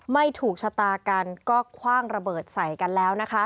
ไม่ถูกชะตากันก็คว่างระเบิดใส่กันแล้วนะคะ